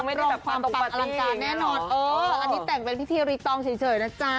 รูปแบบความปัดอลังการแน่นอนเอออันนี้แต่งเป็นพิธีรีตองเฉยนะจ๊ะ